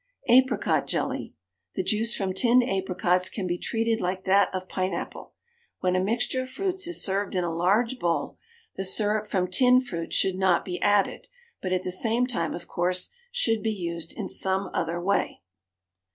APRICOT JELLY. The juice from tinned apricots can be treated like that of pine apple. When a mixture of fruits is served in a large bowl, the syrup from tinned fruits should not be added, but at the same time, of course, should be used in some other way.